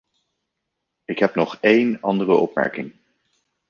Ik heb nog één andere opmerking.